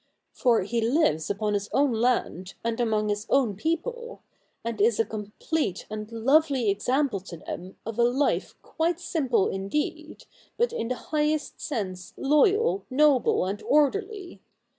For he lives upon his own land, and amongst his own people ; and is a complete and lovely example to them of a life quite simple indeed, but in the highest sense loyal, noble, and orderly.